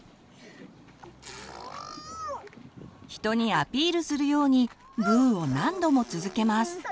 人にアピールするように「ブー」を何度も続けます。